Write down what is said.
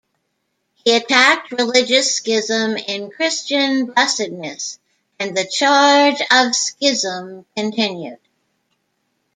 He attacked religious schism in "Christian Blessedness" and "The Charge of Schism, Continued.